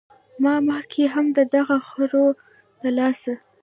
ما مخکښې هم د دغه خرو د لاسه